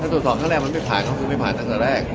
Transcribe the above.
ตรวจสอบครั้งแรกมันไม่ผ่านก็คือไม่ผ่านตั้งแต่แรก